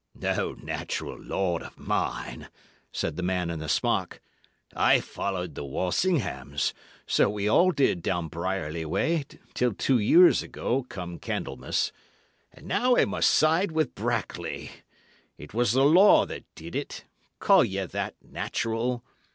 "No natural lord of mine," said the man in the smock. "I followed the Walsinghams; so we all did down Brierly way, till two years ago, come Candlemas. And now I must side with Brackley! It was the law that did it; call ye that natural?